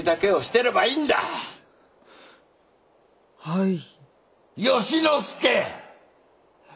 はい。